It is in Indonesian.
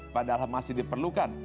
padahal masih diperlukan